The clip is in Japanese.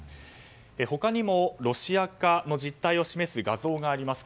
他にもロシア化の実態を示す画像があります。